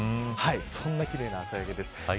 そんな奇麗な朝焼けです。